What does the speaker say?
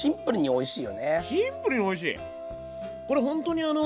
おいしい！